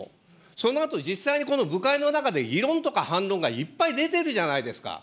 そのあと、実際にこの部会の中で、異論とか反論とかいっぱい出てるじゃないですか。